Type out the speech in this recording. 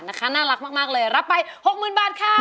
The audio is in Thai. น่ารักมากเลยรับไป๖๐๐๐บาทค่ะ